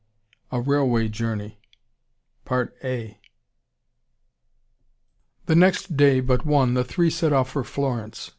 A RAILWAY JOURNEY The next day but one, the three set off for Florence.